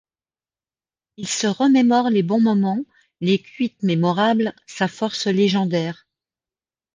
Ils se remémorent les bons moments, les cuites mémorables, sa force légendaire.